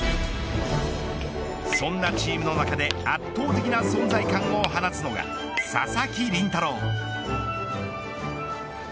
そんなチームの中で圧倒的な存在感を放つのが佐々木麟太郎。